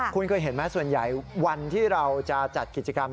คุณเคยเห็นไหมส่วนใหญ่วันที่เราจะจัดกิจกรรม